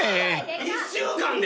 １週間で！？